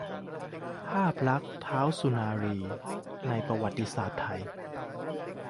ภาพลักษณท้าวสุรนารีในประวัติศาสตร์ไทย